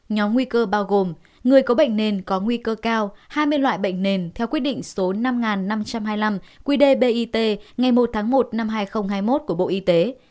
nhóm nguy cơ bao gồm người có bệnh nền có nguy cơ cao hai mươi loại bệnh nền theo quyết định số năm năm trăm hai mươi năm qdbit ngày một tháng một năm hai nghìn hai mươi một của bộ y tế